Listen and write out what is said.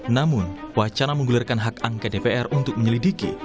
namun wacana menggulirkan hak angket dpr untuk menyelidiki